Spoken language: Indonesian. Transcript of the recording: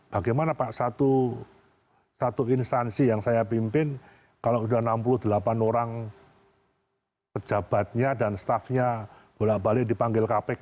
bagaimana pak satu instansi yang saya pimpin kalau sudah enam puluh delapan orang pejabatnya dan staffnya bolak balik dipanggil kpk